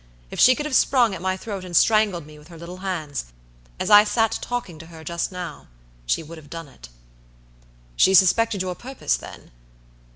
If she could have sprung at my throat and strangled me with her little hands, as I sat talking to her just now, she would have done it." "She suspected your purpose, then!"